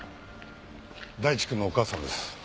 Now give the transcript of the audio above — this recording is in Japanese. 大地くんのお母さんです。